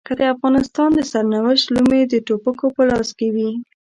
که د افغانستان د سرنوشت لومې د ټوپکو په لاس کې وي.